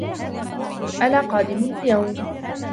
أنا قادمٌ اليوم